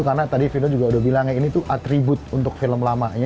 karena tadi vino juga udah bilangnya ini tuh atribut untuk film lamanya